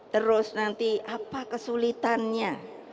terus nanti apa kesulitannya